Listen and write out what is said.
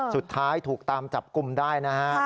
สุดท้ายถูกตามจับกลุ่มได้นะฮะ